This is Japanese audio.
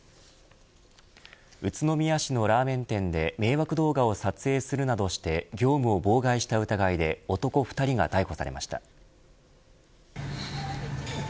宇都宮市のラーメン店で迷惑動画を撮影するなどして業務を妨害した疑いで男２人が逮捕されました。